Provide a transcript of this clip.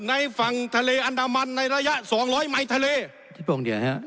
ในฝั่งทะเลอันดามันในระยะสองร้อยไมค์ทะเลที่ปวงเดียวฮะ